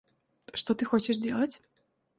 Что ты хочешь делать?